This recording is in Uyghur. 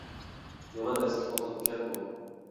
يامان ئەسكى خوتۇنكەن ئۇ!